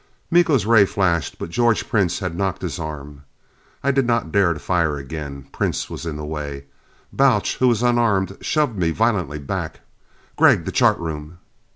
Miko's ray flashed, but George Prince had knocked his arm. I did not dare fire again. Prince was in the way. Balch, who was unarmed, shoved me violently back. "Gregg! The chart room!"